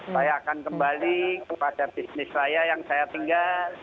saya akan kembali kepada bisnis saya yang saya tinggal